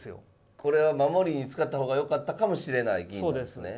これは守りに使った方がよかったかもしれない銀なんですね。